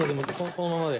このままで。